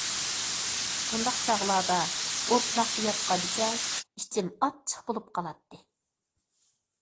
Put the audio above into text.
بۇنداق چاغلاردا ئوتلاقتا ياتقانچە ئىچىم ئاچچىق بولۇپ قالاتتى.